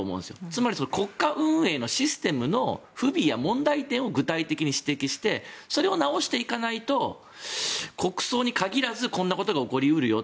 つまり、国家運営のシステムの不備や問題点を具体的に指摘してそれを直していかないと国葬に限らずこんなことが起こり得るよ